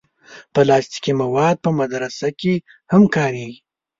پلاستيکي مواد په مدرسه کې هم کارېږي.